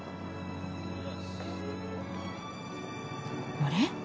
あれ？